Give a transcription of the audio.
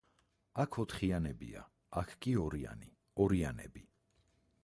აქ, ოთხიანებია, აქ კი ორიანი; ორიანები.